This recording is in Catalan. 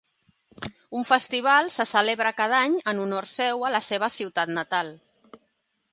Un festival se celebra cada any en honor seu a la seva ciutat natal.